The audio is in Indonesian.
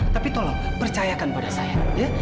tapi tolong percayakan pada saya